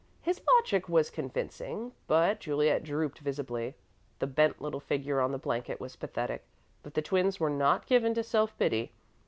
His logic was convincing, but Juliet drooped visibly. The bent little figure on the blanket was pathetic, but the twins were not given to self pity.